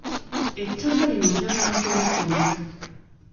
Ettaka lino njagala kulitunda.